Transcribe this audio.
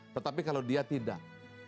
tetapi kalau dia tidak